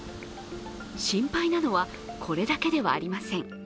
心配なのはこれだけではありません。